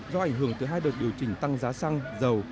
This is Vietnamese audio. do ảnh hưởng từ hai đợt điều chỉnh tăng giá xăng dầu